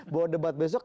bahwa debat besok